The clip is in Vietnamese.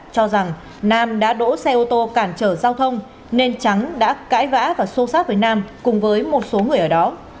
cho rằng nam đã đỗ xe ô tô cản trở giao thông nên trắng đã cãi vã và xô sát với nam cùng với một số người ở đó